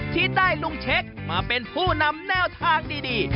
ที่ได้ลุงเช็คมาเป็นผู้นำแนวทางดี